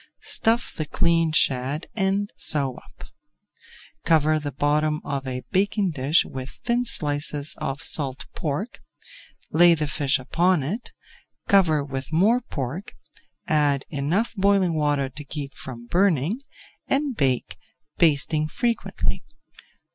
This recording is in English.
Stuff the cleaned shad and sew up. Cover the bottom of a baking dish with thin slices of salt pork, lay the fish upon it, cover with more pork, add enough boiling water to keep from burning, [Page 333] and bake, basting frequently.